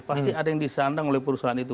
pasti ada yang disandang oleh perusahaan itu